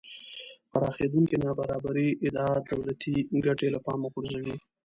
پراخېدونکې نابرابرۍ ادعا دولتی ګټې له پامه غورځوي